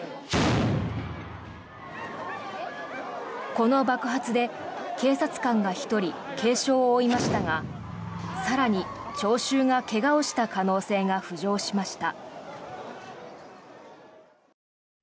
この爆発で警察官が１人軽傷を負いましたが更に、聴衆が怪我をした可能性が浮上しました。